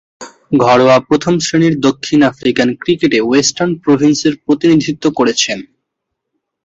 ঘরোয়া প্রথম-শ্রেণীর দক্ষিণ আফ্রিকান ক্রিকেটে ওয়েস্টার্ন প্রভিন্সের প্রতিনিধিত্ব করেছেন।